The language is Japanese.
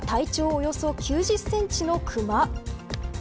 およそ９０センチのクマ。